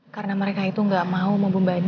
kasih mereka kesempatan